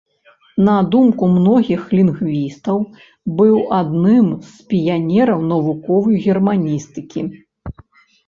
На думку многіх лінгвістаў, быў адным з піянераў навуковай германістыкі.